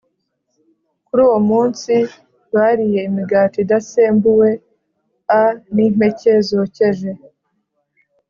Kuri uwo munsi bariye imigati idasembuwe a n impeke zokeje